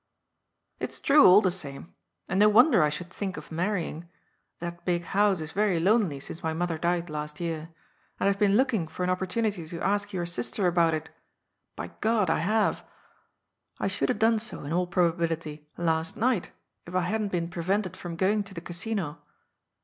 " It's true, all the same ; and no wonder I should think of marrying. That big house is very lonely since my mother died last year. And I've been looking for an oppor THE MARRUGK LOTT£BT. I59 tnnity to ask your sister about it — ^by O ^ I have. I should have done so, in all probability, last night, if I hadn't been prevented from going to the Casino.''